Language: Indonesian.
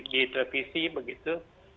di televisi begitu